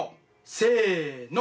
せの。